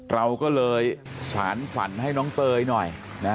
เราก็เลยสารฝันให้น้องเตยหน่อยนะ